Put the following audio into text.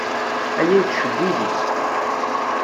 Aya yettcewwil-itt.